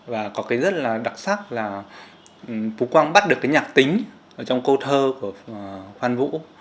và có cái rất là đặc sắc là phú quang bắt được cái nhạc tính trong câu thơ của hoan vũ